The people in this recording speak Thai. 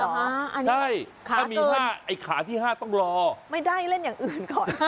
ถ้ามี๕ขาตอนนี้ให้มีขาที่๕ต้องรอไม่ได้เล่นอย่างอื่น